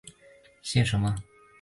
姓什么？